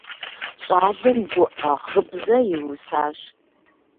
Щӏалэм гуӏэ гъыбзэ иусащ.